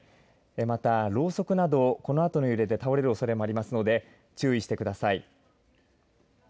また、ろうそくなどこのあとの揺れで倒れるおそれがありますので注意してください。